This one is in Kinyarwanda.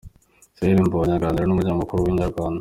Israel Mbonyi aganira n’umunyamakuru wa inyarwanda.